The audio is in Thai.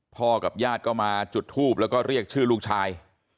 กับญาติก็มาจุดทูบแล้วก็เรียกชื่อลูกชาย